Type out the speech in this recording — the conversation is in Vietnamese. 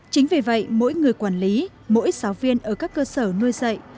chính vì vậy mỗi người quản lý mỗi giáo viên ở các cơ sở nuôi dạy